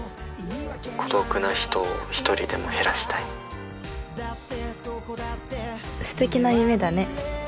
☎孤独な人を一人でも減らしたいステキな夢だね